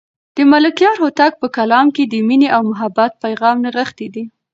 د ملکیار هوتک په کلام کې د مینې او محبت پیغام نغښتی دی.